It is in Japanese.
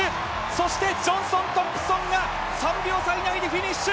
そしてジョンソン・トンプソンが３秒差以内でフィニッシュ。